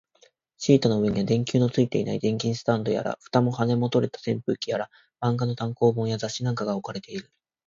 シートの上には、電球のついていない電気スタンドやら、蓋も羽も取れた扇風機やら、漫画の単行本や雑誌なんかが置かれている